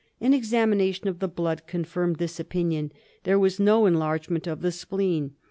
An examina tion of the blood confirmed this opinion. There was no enlargement of the spleen.